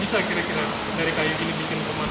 bisa kira kira dari kayu gini bikin rumah